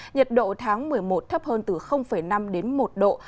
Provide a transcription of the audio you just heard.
nhiệt độ tháng một mươi một thấp hơn từ năm đến một độ